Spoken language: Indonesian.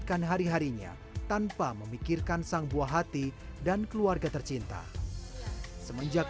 makan hari harinya tanpa memikirkan sang buah hati dan keluarga tercinta semenjak